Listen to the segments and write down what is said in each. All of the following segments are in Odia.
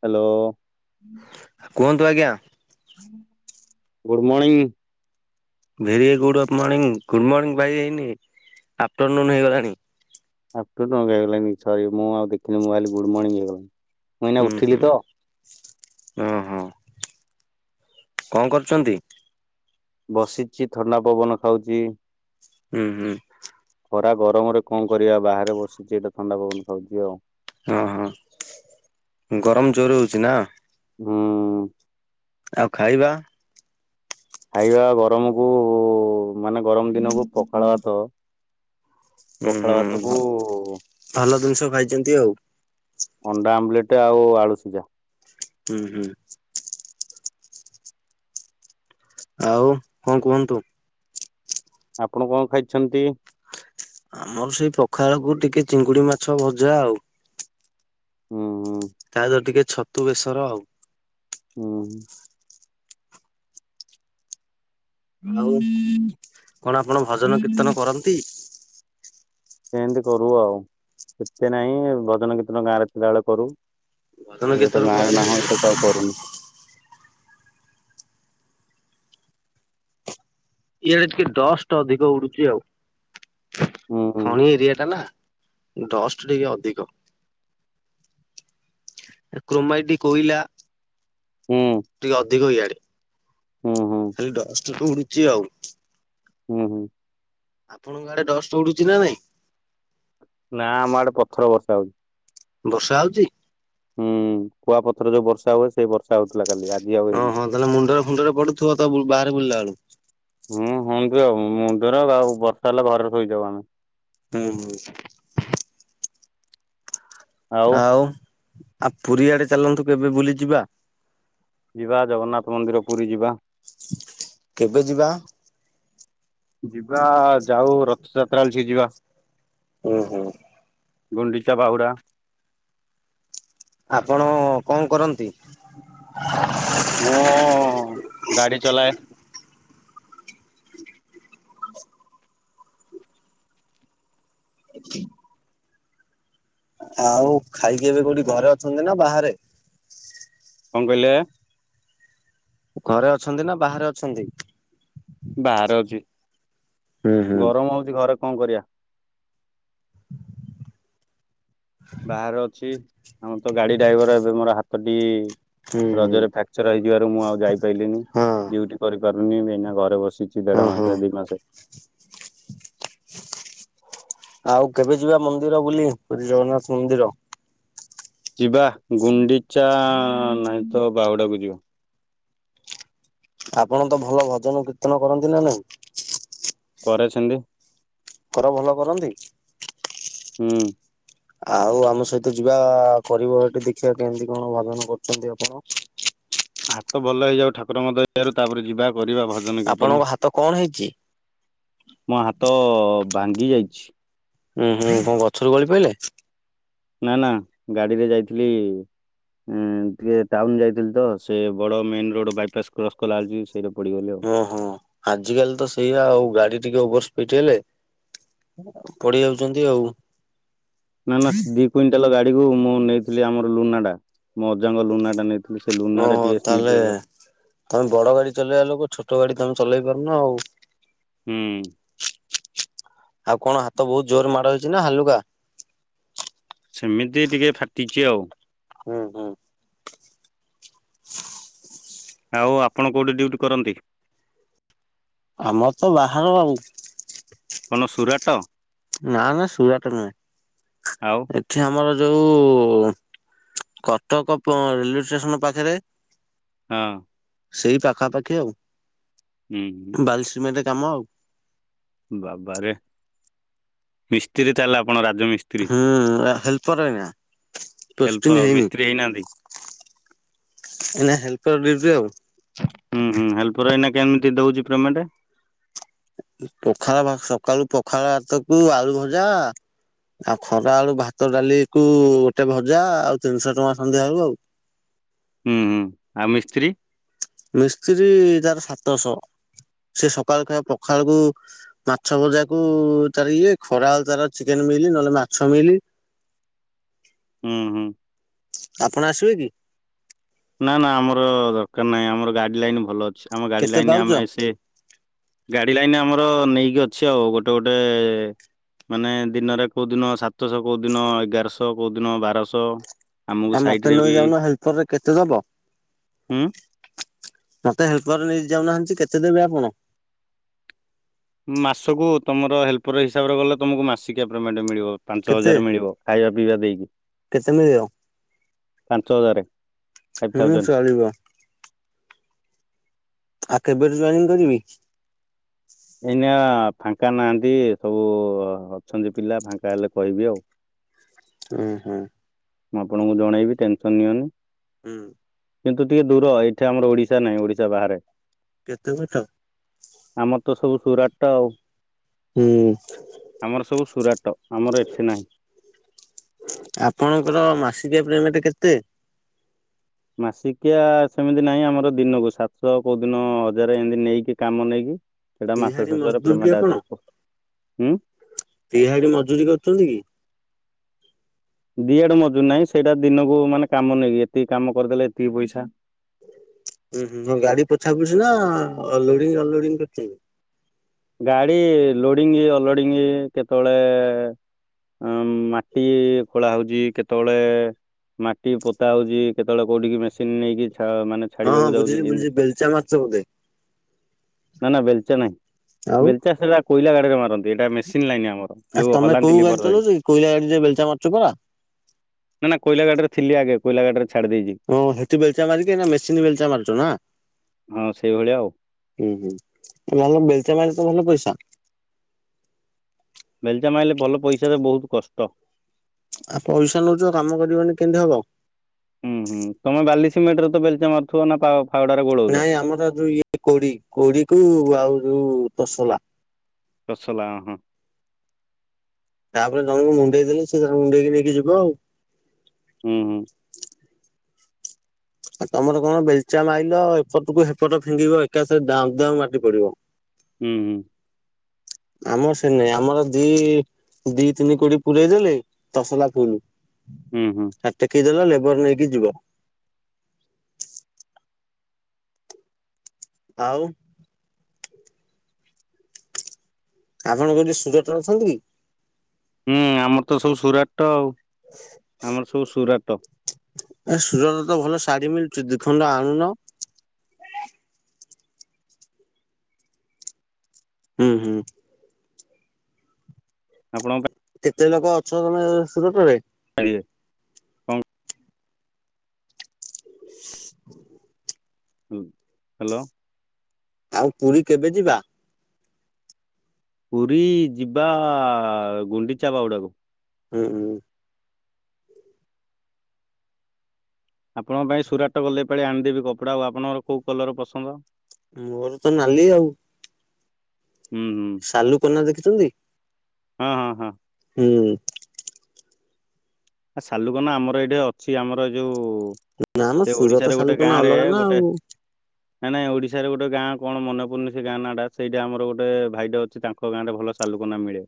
ହ୍ୟାଲୋ- କୁହନ୍ତୁ ଆଜ୍ଞା। Good morning. ଭେରି ଗୁଡଆଫ୍ଟରନୁ ଗୁଡମର୍ଣିଂ ଭାଇ ଏଇନି ଆଫ୍ଟରନୁନୁ ହେଇଗଲାଣି। [unintelligible] ହେଇଗଲାଣି ସରି ମୁଁ ଆଉ ଦେଖିନି ମୁଁଭାବିଲି ଗୁଡମର୍ଣିଂ ହେଇଗଲାଣି। ମୁଁ ଏଇନା ହୁଁ ଉଠିଲି ହୁଁ। ତ ଓ ହଁ କଣ କରୁଛନ୍ତି? ବସିଛି ଥଣ୍ଡା ପବନ ଖାଉଛି। ହୁଁ ହୁଁ। ଖରା ଗରମରେ କଣ କରିବା ବାହାରେ ବସିଛି ଏବେ ଥଣ୍ଡା ପବନ ଖାଉଛି ଆଉ। ଓ ହଁ ଗରମ ଜୋରେ ହଉଛି ନା? ହଁ। ଆଉ ଖାଇବା। ଖାଇବା ଗରମକୁ ମାନେ ଗରମ ଦିନକୁ ପଖାଳଭାତ। ହୁଁ ହୁଁ ଭ ଭଲ ଜିନିଷ ଖାଇଛନ୍ତି ଆଉ। ଅଣ୍ଡା ଆମ୍ଲେଟ ଆଉ ଆଳୁ ସିଜା। ହୁଁ ହୁଁ। ଆଉ ହଁ କୁହନ୍ତୁ। ଆପଣ କଣ ଖାଇଛନ୍ତି? ଆମର ସେଇ ପଖାଳକୁ ଟିକେ ଚିଙ୍ଗୁଡି ମାଛ ଭଜା ଆଉ ହଁ। ତା ସହିତ ଟିକେ ଛତୁ ବେଶର ଆଉ। ହୁଁ। ଆଉ, ହୁଁ କଣ ଆପଣ ଭଜନ କୀର୍ତ୍ତନ କରନ୍ତି? ସେମିତି କରୁ ଆଉ। ଏତେ ନାହିଁ ଭଜନ କୀର୍ତ୍ତନ ଗାଁରେ ଥିଲାବେେଳେ କରୁ। ଭଜନ ଏବେ କୀର୍ତ୍ତନ ତ କରି ଗାଁ ନାହୁ ଏତେତ ଆଉ କରୁନୁ। ଇଆଡେ ଟିକେ ଡଷ୍ଟ ଅଧିକ ଉଡୁଛି ଆଉ। ହୁଁ ଖଣି ଏରିଆ ଟା ନା। ଡଷ୍ଟ ଟିକେ ଅଧିକ। କୃମାଇଟ, କୋଇଲା ହୁଁ ଟିକେ ଅଧିକ ଇଆଡେ। ହୁଁ ହୁଁ ଖାଲି ଡଷ୍ଟ୍ ଉଡୁଛି ଆଉ। ହୁଁ ହୁଁ। ଆପଣଙ୍କ ଆଡେ ଡଷ୍ଟ ଉଡୁଛି ନା ନାଇଁ? ନା ଆମ ଆଡେ ପଥର ବର୍ଷା ହଉଛି। ବର୍ଷା ହଉଚି? ହୁଁ କୁଆପଥର ଯୋଉ ବର୍ଷା ହୁଏ, ସେଇ ବର୍ଷା ହଉଥିଲା। କାଲି ଆଜି ଆଉ ହଁ ହେଇନି। ହଁ ତାହେଲେ ମୁଣ୍ଡରେ ଫୁଣ୍ଡରେ ପଡୁଥିବ ତ ବାହାରେ ବୁଲିଲା ବେଳୁ? ହୁଁ ହୁଅନ୍ତୁ ଆଉ ମୁଣ୍ଡର ଆଉ ବର୍ଷା ହେଲା ଘରେ ଶୋଇଯାଉ ଆମେ। ହଁ। ଆଉ ଆ ପୁରୀଆଡେ ଚାଲନ୍ତୁ କେବେ ବୁଲି ଯିବା? ଯିବା ଜଗନ୍ନାଥ ମନ୍ଦିର ପୁରୀ ଯିବା। କେବେ ଯିବା? ଯିବା ଯାଉ ରଥଯାତ୍ରା ରେ ଟିକେ ଯିବା। ହୁଁ ହୁଁ। ଗୋଣ୍ଡିଚା ବାହୁଡ଼ା। ଆପଣ କଣ କରନ୍ତି? ମୁଁ ଗାଡି ଚଲାଏ। [unintelligible] ଆଉ ଖାଇକି ଏବେ କୋଉଠି ଘରେ ଅଛନ୍ତି ନା ବାହାରେ? କଣ କହିଲେ? ଘରେ ଅଛନ୍ତି ନା ବାହାରେ ଅଛନ୍ତି? ବାହାରେ ଅଛି। ହୁଁ ହୁଁ ଗରମ ହଉଛି ଘରେ କଣ କରିବା। ବାହାରେ ଅଛି। ଆମର ତ ଗାଡି ଡ୍ରାଇଭର ଏବେ ମୋର ହାତଟି ହୁଁ ହୁଁ ରଜରେ ଫ୍ରାକ୍ଚର ହେଇଯିବାରୁ ମୁଁ ଆଉ ଯାଇପାଇଲିନି। ହଁ ଡିଉଟି କରିପାରୁନି। ଏନା ଘରେ ବସି କିଛି ଦେଢ଼ ହଁ ହଁ। ମାସେ ଦି ମାସେ। ଆଉ କେବେ ଯିବା ମନ୍ଦିର ବୋଲି? ପୁରୀ ଜଗନ୍ନାଥ ମନ୍ଦିର। ଯିବା ଗୁଣ୍ଡିଚା ନାହିଁ ତ ବାହୁଡାକୁ ଯିବା। ଆପଣ ତ ଭଲ ଭଜନ କୀର୍ତ୍ତନ କରନ୍ତି ନା ନାଇଁ? କରେ ସେମିତି। କର ଭଲ କରନ୍ତି? ହୁଁ। ଆଉ ଆମ ସହିତ ଯିବା କରିବ ଏଠି ଦେଖିବା କେମିତି କଣ ଭଜନ କରୁଛନ୍ତି ଆପଣ। ହାତ ଭଲ ହେଇଯାଉ ଠାକୁର ଙ୍କ ଦୟାରୁ ତାପରେ ଯିବା କରିବା ଭଜନ କୀର୍ତ୍ତନ। ଆପଣଙ୍କ ହାତ କଣ ହେଇଛି? ମୋ ହାତ ଭାଙ୍ଗି ଯାଇଛି। ଉୁଁ ହୁଁ କଣ ଗଛରୁ ଗଳି ପଇଲେ? ନା ନା ଗାଡିରେ ଯାଇଥିଲି ଉଁ ଟିକେ ଟାଉନ ଯାଇଥିଲି ତ। ସେ ବଡ ମେନ ରୋଡ ବାଇପାସ କ୍ରସ୍ କଲାବେଳେ ଓହୋ! ଆଜି କାଲି ତ ସେଇଆ ଆଉ ଗାଡି ଟିକେ ଓବର୍ ଫିଟେଇଲେ ପଢି ଯାଉଛନ୍ତି ଆଉ। ନା ନା ଦି କୁଇଣ୍ଟାଲ ଗାଡିକୁ ମୁଁ ନେଇଥିଲି ଆମର ଲୁନା ଟା ମୋ ଅଜାଙ୍କ ଲୁନା ଟା ନେଇଥିଲି ସେ ଓ ଲୁନାରେ ଟିକେ ସ୍ଲିପ ତାହେଲେ ହେଇଗଲା। ତମେ ବଡ ଗାଡି ଚଲେଇବା ଲୋକ ଛୋଟ ଗାଡି ତମେ ଚଲେଇ ପାରୁନ ଆଉ। ହୁଁ। ଆଉ କଣ ହାତ ବହୁତ ଜୋର ମାଡ ହେଇଛି ନା ହାଲୁକା? ସେମିତି ଟିକେ ଫାଟିଛି ଆଉ। ହୁଁ ହୁଁ। [unintelligible] ଆଉ ଆପଣ କୋଉଠି ଡ୍ୟୁଟି କରନ୍ତି? ଆମର ତ ବାହାର ଆଉ। କଣ ସୁରାଟ? ନା ନା ସୁରାଟ ଆଉ ନୁହେଁ ଏଠି ଆମର ଯୋଉ କଟକ ରେଲୱେ ଷ୍ଟେସନ ପାଖରେ ହଁ। ସେଇ ପାଖା ପାଖି ଆଉ ହୁଁ ବାଲି ସିମେଣ୍ଟ କାମ ଆଉ। ବାବାରେ ମିସ୍ତ୍ରୀ ତାହଲେ ଆ ହୁଁ ହେଲ୍ପର ଆ୍ଞା ହେଲ୍ପର ପୋଷ୍ଟିଙ୍ଗ ହେଇନି। ମିସ୍ତ୍ରୀ ହେଇନାହାନ୍ତି ଏନା ହେଲ୍ପର ରେଟ ଆଉ। ହୁଁ ହୁଁ ହେଲ୍ପର ଏଇନା କେମିତି ଦଉଛି ପେମେଣ୍ଟ? ପଖାଳ ସକାଳୁ ପଖାଳ ଭାତକୁ ଆଳୁ ଭଜା ଆଉ ଖରା ବେଳୁ ଭାତ ଡାଲି କୁ ଗୋଟେ ଭଜା ଆଉ ତିନିଶହ ଟଙ୍କା ସନ୍ଧ୍ୟାବେଳ କୁ ଆଉ। ହଁ ହୁଁ ହୁଁ ଆଉ ମିସ୍ତ୍ରୀ ମିସ୍ତ୍ରୀ ତାର ସାତଶହ। ସେ ସକାଳୁ ଖାଇବା ପଖାଳକୁ ମାଛ ଭଜାକୁ ତାର ଇଏ ଖରାଲ ତାର ଚିକେନ ମିିଲି ନହେଲେ ମାଛ ମିିଲ ହୁଁ ହୁଁ। ଆପଣ ଆସିବେ କି? ନା ନା ଆମର ଦରକାର ନାହିଁ ଆମର ଗାଡି ଲାଇନ ଭଲ ଅଛି। ଆମ ଗାଡି କେତେ ଲାଇନରେ ପାଉଛ ଆମେ ସେ ଗାଡି ଲାଇନରେ ଆମ ଆର ନେଇକି ଅଛି ଆଉ ଗୋଟେ ଗୋଟେ ମାନେ ଦିନରେ କୋଉ ଦିନ ସାତଶହ କୋଉ ଦିନ ଏଗାରଶହ କୋଉ ଦିନ ବାରଶହ ଆମକୁ ଆଉ ସାଇଟ ମତେ ରେ ନେଲେ ବି ଯାଉନ ହେଲ୍ପରରେ କେତେ ବ ହୁଁ ମତେ ହେଲ୍ପର ରେ ନେଇ ଯାଉନାହାନ୍ତି। କେତେ ଦେବେ ଆପଣ? ମାସକୁ ତମର ହେଲ୍ପର ହିସାବରେ ଗଲେ ତମକୁ ମାସିକିଆ ପେମେଣ୍ଟ ମିଳିବ। ପାଞ୍ଚ କେତେ ହଜାର ମିଳିବ ଖାଇବା ପିଇବା ଦେଇକି କେତେ ମିଳିବ ପାଞ୍ଚ ହଜାର। ଫାଇଭ୍ ହୁଁ ଥାଉଜେଣ୍ଡ ଚଳିବ। କେବେ ଠୁ ଜନିଂ କରିବି? ଏଇନା ଫାଙ୍କା ନାହାଁନ୍ତି ସବୁ ଅଛନ୍ତି ପିଲା ଫାଙ୍କା ହେଲେ କହିବି ଆଉ। ହୁଁ ହୁଁ। ମୁଁ ଆପଣଙ୍କୁ ଜଣେଇବି ଟେନସନ ନିଅନି। ହୁଁ। କିନ୍ତୁ ଟିକେ ଦୂର ଏଠି ଆମର ଓଡିଶା ନାହିଁ ଓଡିଶା ବାହାରେ। କେତେ ବାଟ? ଆମର ତ ସବୁ ସୁରାଟ ଆଉ। ହୁଁ ଆମର ସବୁ ସୁରାଟ ଆମର ଏଠି ନାହିଁ। ଆପଣଙ୍କର ମାସିକିଆ ପେମେଣ୍ଟ କେତେ? ମାସିକିଆ ସେମିତି ନାହିଁ ଆମର ଦିନକୁ ସାତଶହ କୋଉ ଦିନ ହଜାର ଏମିତି ନେଇକି କାମ ନେଇକି ସେଇଟା ମାସ ତିହାଡି ଶେଷରେ ମଜଦୁର ପେମେଣ୍ଟ ଆସେ ହୁଁ। ଦ ମଜୁୁରୀ କରୁଛନ୍ତି କି? ଦିଆଡେ ମଜୁର ନାହିଁ ସେଇଟା ଦିନକୁ ମାନେ କାମ ନେଇକି ଏତିକି କାମ କରିଦେଲେ ଏତିକି ପଇସା। ହଁ ହୁଁ ଗାଡି ପୋଛା ପଛି ନା ଲୋଡିଙ୍ଗ ଅନ୍ଲୋଡି କରି ଗାଡ଼ି ଲୋଡ଼ିଂ ଅଲୋଡିଙ୍ଗ କେତେବେଳେ ଅ ମାଟି ଖୋଳା ହଉଛି କେତେବେଳେ ମାଟି ପୋତା ହଉଛି କେତେବେଳେ କୋଉଠି ମେସିନ ନେଇକି ମାନେ ହଁ ହଁ ଛାଡିବାକୁ ବୁଝିଲି ଯାଉଛି ବୁଝିଲି ବେଲଚା ମାରୁଛ ବୋଧେ? ନା ନା ବେଲଚା ନାହିଁ ଆଉ ବେଲଚା ସେଟା କୋଇଲା ଗାଡିରେ ମାରନ୍ତି। ଏଇଟା ମେସିନ୍ ଲାଇନି ଆମର ଆ ଯୋଉ ତମେ ହଲାନ୍ତି କୋଉ ଗାଡି ଲିଭର। ଚଲଉଛ କି କୋଇଲା ଗାଡିରେ ବେଲଚା ମାରୁଛ ପରା? ନା ନା କୋଇଲା ଗାଡି ରେ ଥିଲି ଆଗେ। କୋଇଲା ଗାଡିରେ ଛାଡି ଦେଇଛି ଓ ହେଠ ବେଲଚା ମାରିକି ନା ମେସିନ୍ ବେଲଚା ମାରୁଛ ନା। ହଁ ସେଇଭଳିଆ ଆଉ। ହୁଁ ହୁଁ ମଲ ବେଲଚା ମା। ଭଲ ପଇସା। ବେଲଚା ମାରିଲେ ଭଲ ପଇସାାରେ ବହୁତ କଷ୍ଟ। ଆଉ ପଇସା ନଉଛ କାମ କରିବନି କେମିତି ହବ ଆଉ ହୁଁ ହୁଁ ତମେ ବାଲି ସିମେଣ୍ଟରେ ତ ବେଲଚା ମାରୁଥିବ ନା ପା ନାଇଁ ଆମର ଯୋଉ ଇଏ କୋଡି କୋଡି କୁ ଆଉ ଯୋଉ ତସଲା। ତସଲା ହଁ। ତାପରେ ଜଣଙ୍କୁ ମୁଣ୍ଡେଇ ଦେଲେ ସେ ମୁଣ୍ଡେଇକି ନେଇକି ଯିବ ଆଉ। ହୁଁ ହୁଁ। ଆଉ ତମର କଣ ବେଲଚା ମାଇଲ ଏପଟକୁ ହେପଟ ଫିଙ୍ଗିବ ଏକାସ ଦ ଦାମ ମାଟି ପଡିବ। ହୁଁ ହୁଁ। ଆମର ସେ ନାଇଁ ଆମର ଦି। ଦି ତିନି କୋଡି ପୁରାଇ ଦେଲେ ତସଲା ଫୁଲ୍। ହୁଁ ହୁଁ ହୁଁ ଆ ଟେକେଇଦଲା ଲେବର ନେଇକି ଯିବ। ଆଉ ଆପଣ ଯୋଉଠି ସୁରଟ ରେ ଅଛନ୍ତି କି? ହୁଁ ଆମର ତ ସବୁ ସୁରାଟ ଆଉ ଆମର ସବୁ ସୁରାଟ ଏ ସୁରଟ ତ ଭଲ ଶାଢ଼ୀ ମିଳୁଛି ଦୁଇ ଖଣ୍ଡ ଆଣୁନ। ହୁଁ ହୁଁ। ଆପଣଙ୍କ କେତେ ଲୋକ ଅଛ ତମେ ସୁରଟ ରେ [inaudible] [inaudible] ହଁ ହାଲୋ। ଆଉ ପୁରୀ କେବେ ଯିବା? ପୁରୀ ଯିବା ଗୁଣ୍ଡିଚା ବାହୁଡ଼ାକୁ। ହୁଁ ହଁ। ଆପଣଙ୍କ ପାଇଁ ସୁରାଟ ଗଲେ ପାାଲି ଆଣିଦେବି କପଡା ଆପଣଙ୍କର କୋଉ କଲର ପସନ୍ଦ। ମୋର ତ ନାଲି ଆଉ ହୁଁ ହୁଁ ସାଲୁ କନା ଦେଖିଛନ୍ତି। ହଁ ହଁ ହଁ। ହୁଁ। ଆ ସାଲୁକନା ଆମର ଏଇଠି ଅଛି ଆମର ଯୋଉ ନା ମ ସେ ସୁରଟ ଓଡିଶାରେ ଗୋଟେ ସାଲୁକନା ଗାଁରେ ଅଲଗା ନା ଗୋଟେ ଆଉ। ନାଇଁ ନାଇଁ ଓଡିଶାରେ ଗୋଟେ ଗାଁ କଣ ମନେ ପଡନି ସେ ଗାଁ ନା ଟା ସେଇଟା ଆମର ଗୋଟେ ଭାଇଟେ ଅଛି ତାଙ୍କ ଗାଁ ରେ ଭଲ। ସାଲୁକନା ମିଳେ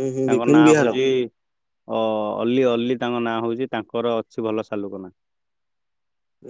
ଉୁଁ ହୁଁ ତାଙ୍କ ବିପିନ ନାଁ ବିହାର ହଉଛି। ଅ ଅଲ୍ଲିୀ ଅଲ୍ଲିୀ ତାଙ୍କ ନାଁ ହଉଛି ତାଙ୍କର ଅଛି ଭଲ ସାଲୁକନା।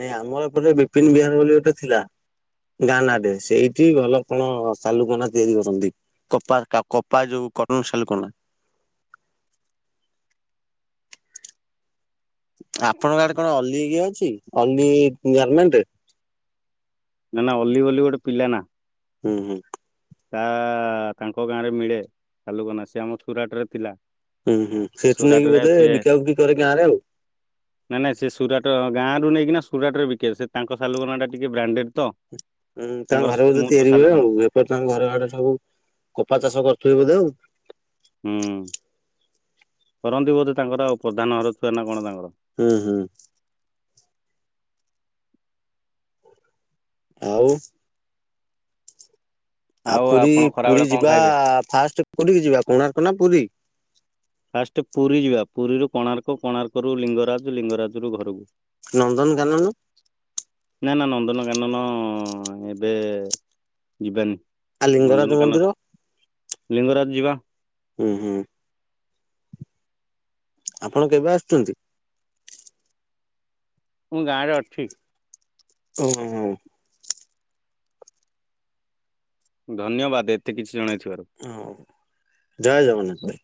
ନାଇଁ ଆମର ଏ ପଟେ ବିପିନ ବିହାରୀ ବୋଲି ଗୋଟେ ଥିଲା। ଗାନାଟେ ସେଇଠି ଭଲ କଣ ସାଲୁକନା ତିଆରି କରନ୍ତି କପା କପା ଯୋଉ କଟନ ଶାଲୁ କନା ଆପଣଙ୍କ ଆଡେ କଣ ଅଲି ଇଏ ଅଛି ଅଲି ଗାର୍ମେଣ୍ଟେ? ନା ନା ଅଲି ବୋଲିଲି ଗୋଟେ ପିଲା ନା। ହୁଁ ହୁଁ ତା ତାଙ୍କ ଗାଁରେ ମିଳେ ସାଲୁକନା ସେ ଆମ ସୁରାଟ ରେ ଥିଲା। ହୁଁ ହୁଁ ସେଠୁ ନେଇକି ସୁରାଟରେ ବୋଧେ ସିଏ ବିକା ବିକି କରେ ଗାଁ ରେ ଆଉ। ନାଇଁ ନାଇଁ ସେ ସୁରାଟ ଗାଁ ରୁ ନେଇକିନା ସୁରାଟରେ ବିକେ ସେ ତାଙ୍କ ସାଲୁକନାଟା ଟିକେ ବ୍ରାଣ୍ଡେଡ୍ ତ। ହୁଁ ତାଙ୍କ ତାଙ୍କର ଘରେ ବୋଧେ ସ୍ମୁଥ ତିଆରି ହୁଏ ସାଲୁକନା ଆଉ ବେପାର ତାଙ୍କ ଘର ଆଡ଼େ ହଉ କପା ଚାଷ କରୁଥିବେ ବୋଧେ ଆଉ ହୁଁ କରନ୍ତି ବୋଧେ ତାଙ୍କର ଆଉ ପ୍ରଧାନ ଘର ଛୁଆ ନା କଣ ତାଙ୍କର? ହୁଁ ହୁଁ ଆଉ ଆଉ ପୁରୀ ଆପଣ ପୁରୀ ଖରାବେଳେ କଣ ଯିବା ଖାଇବେ ଫାଷ୍ଟ କୋଉଠିକି ଯିବା କୋଣାର୍କ ନା ପୁରୀ? ଫାଷ୍ଟ ପୁରୀ ଯିବା ପୁରୀରୁ କୋଣାର୍କ କୋଣାର୍କରୁ ଲିଙ୍ଗରାଜ ଲିଙ୍ଗରାଜରୁ ଘରକୁ। ନନ୍ଦନ କାନନ ନାଁ ନାଁ ନନ୍ଦନକାନନ ଏବେ ଯିବାନି। ଆଉ ଲିଙ୍ଗରାଜ ନନ୍ଦନକାନନ ମନ୍ଦିର ଲିଙ୍ଗରାଜ ଯିବା ଉଁ ହୁଁ ଆପଣ କେବେ ଆସୁଛନ୍ତି? ମୁଁ ଗାଁରେ ଅଛି। ଓ ହୁଁ ହୁଁ ଧନ୍ୟବାଦ ଏତେ କିଛି ଜଣେ ହୋଉ ଜୟ ଜଗନ୍ନାଥ।